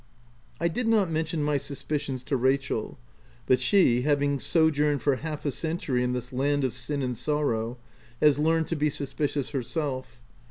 I did not mention my suspicions to Rachel ; but she, having sojourned for half a century in this land of sin and sorrow, has learned to be suspicious herself.